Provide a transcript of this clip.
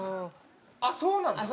あっそうなんだ。